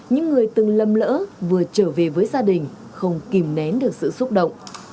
những người từng lầm lỡ vừa trở về với gia đình không kìm nén được sự xúc động